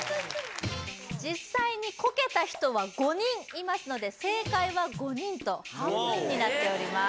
実際にコケた人は５人いますので正解は５人と半分になっております